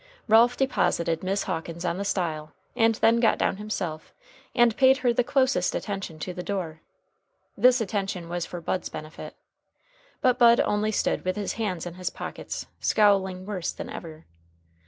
Ralph deposited Miss Hawkins on the stile, and then got down himself, and paid her the closest attention to the door. This attention was for Bud's benefit. But Bud only stood with his hands in his pockets, scowling worse than ever.